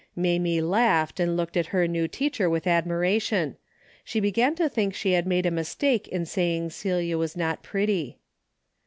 Mamie laughed and looked at her new teacher with admiration. She began to think she had made a mistake in saying Celia was not pretty.